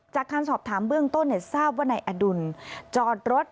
จากการสอบถามเบื้องต้นทราบว่านายอดุลจอดรถ